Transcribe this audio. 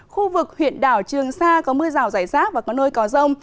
khu vực huyện đảo trường sa có mưa rào rải rác và có nơi có rông